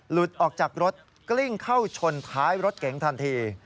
หลุดออกจากรถกลิ้งเข้าชนท้ายรถเก๋งทันที